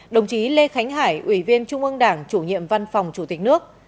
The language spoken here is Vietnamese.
đồng chí lê khánh hải ủy viên trung ương đảng chủ nhiệm văn phòng chủ tịch nước